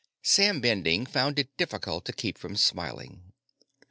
Sam Bending found it difficult to keep from smiling.